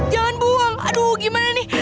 jangan buang aduh gimana nih